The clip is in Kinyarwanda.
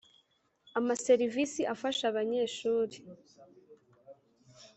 Amaserivisi afasha abanyeshuri